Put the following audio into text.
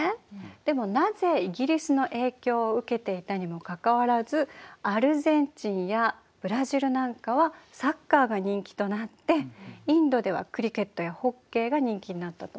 でもなぜイギリスの影響を受けていたにもかかわらずアルゼンチンやブラジルなんかはサッカーが人気となってインドではクリケットやホッケーが人気になったと思う？